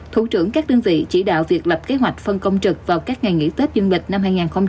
thủ trưởng các đơn vị chỉ đạo việc lập kế hoạch phân công trực vào các ngày nghỉ tết dương lịch năm hai nghìn hai mươi bốn